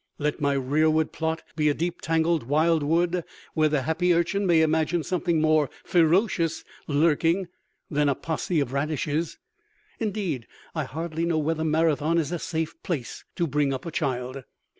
Let my rearward plot be a deep tangled wild wood where the happy Urchin may imagine something more ferocious lurking than a posse of radishes. Indeed, I hardly know whether Marathon is a safe place to bring up a child.